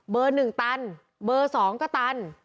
๑ตันเบอร์๒ก็ตัน